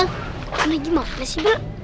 pak saiful emang lagi mau ke sini